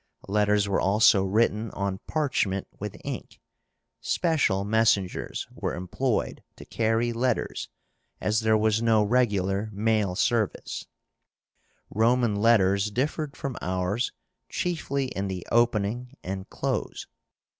Letters were also written on parchment with ink. Special messengers were employed to carry letters, as there was no regular mail service. Roman letters differed from ours chiefly in the opening and close.